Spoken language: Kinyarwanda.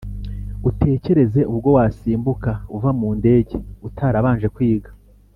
Utekereze ubwo wasimbuka uva mu ndege utarabanje kwiga